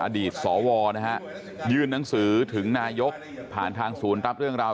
อดีตสวนะฮะยื่นหนังสือถึงนายกผ่านทางศูนย์รับเรื่องราว